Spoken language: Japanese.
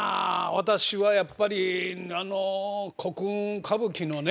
私はやっぱりあのコクーン歌舞伎のね。